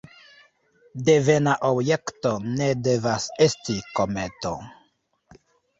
Devena objekto ne devas esti kometo.